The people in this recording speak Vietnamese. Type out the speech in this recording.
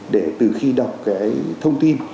để từ khi đọc cái thông tin